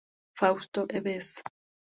Fausto, Bs.